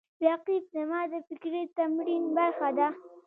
رقیب زما د فکري تمرین برخه ده